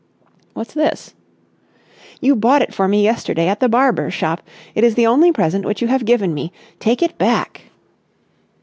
"What's this?" "You bought it for me yesterday at the barber's shop. It is the only present which you have given me. Take it back."